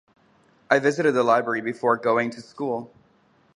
I visited the library before going to school.